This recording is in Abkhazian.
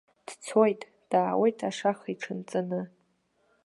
Дцоит, даауеит ашаха иҽанҵаны.